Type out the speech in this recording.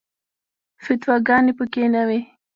فتواګانې په کې نه وي.